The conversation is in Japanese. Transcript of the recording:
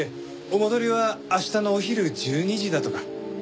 お戻りは明日のお昼１２時だとか。